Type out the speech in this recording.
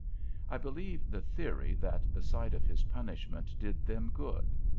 I believe the theory was that the sight of his punishment did them good.